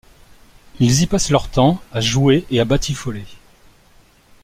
Ils y passent leur temps à jouer et à batifoler.